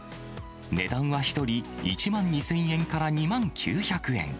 値段は１人１万２０００円から２万９００円。